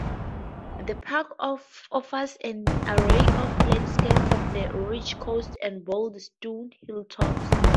The park offers and array of landscapes, from the rugged coast to boulder-strewn hilltops.